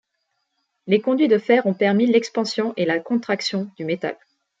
Les conduits de fer ont permis l'expansion et la contraction du métal.